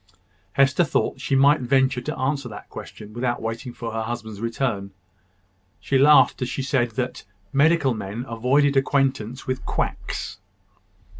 Hester thought she might venture to answer that question without waiting for her husband's return. She laughed as she said, that medical men avoided acquaintance with quacks.